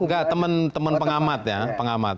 enggak teman pengamat ya